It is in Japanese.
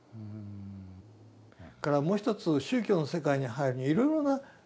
それからもう一つ宗教の世界に入るにはいろいろな道がある。